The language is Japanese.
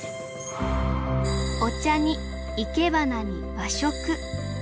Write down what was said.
お茶にいけばなに和食。